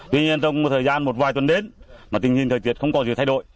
tuy nhiên trong một thời gian một vài tuần đến mà tình hình thời tiết không có sự thay đổi